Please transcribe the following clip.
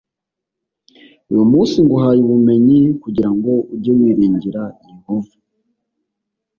Uyu munsi nguhaye ubumenyi kugira ngo ujye wiringira Yehova